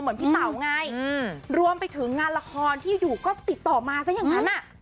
พี่เต๋าไงรวมไปถึงงานละครที่อยู่ก็ติดต่อมาซะอย่างนั้นอ่ะ